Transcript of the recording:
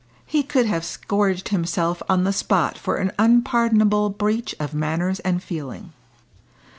He could have scourged himself on the spot for an unpardonable breach of manners and feeling.